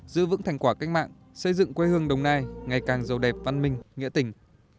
giữ vững thành quả cách mạng xây dựng quê hương đồng nai ngày càng giàu đẹp văn minh nghĩa tình